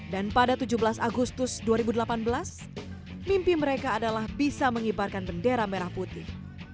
dan pada tujuh belas agustus dua ribu delapan belas mimpi mereka adalah bisa mengibarkan bendera merah putih